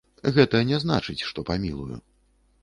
Гэта не значыць, што памілую.